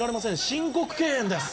「申告敬遠です」